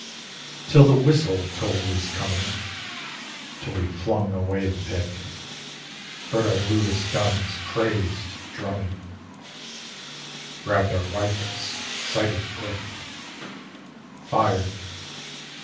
Till the whistle told his coming; Till we flung away the pick, Heard our Lewis guns' crazed drumming, Grabbed our rifles, sighted quick, Fired